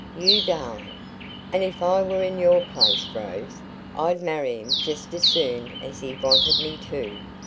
"You darling!" "And if I were in your place, Rose, I'd marry him just as soon as he wanted me to.